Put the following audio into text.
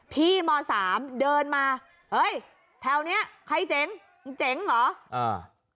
พี่ม๓เดินมาเฮ้ยแถวเนี่ยใครเจ๋งจ๋งเหรอ